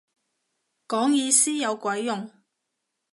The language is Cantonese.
講意思有鬼用